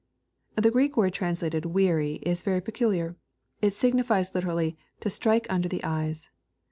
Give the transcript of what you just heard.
] The Greek word translated " weary," is very pe culiar. It signifies literally " to strike under the eyes."